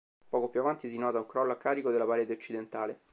Poco più avanti si nota un crollo a carico della parete occidentale.